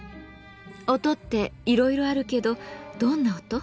音っていろいろあるけどどんな音？